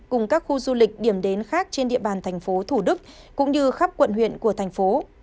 cùng các khu du lịch điểm đến khác trên địa bàn thành phố thủ đức cũng như khắp quận huyện của thành phố